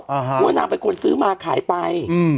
เพราะว่านางเป็นคนซื้อมาขายไป